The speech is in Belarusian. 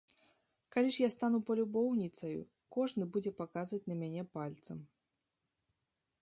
Калі ж я стану палюбоўніцаю, кожны будзе паказваць на мяне пальцам.